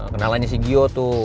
kenalannya si gio tuh